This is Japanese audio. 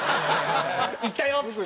「行ったよ！」っつって。